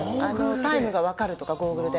タイムが分かるとか、ゴーグルで。